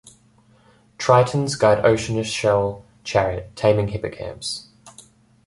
Tritons guide Oceanus' shell chariot, taming hippocamps.